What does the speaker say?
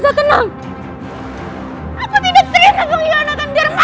jika anda memang mau pergi ke rumah mereka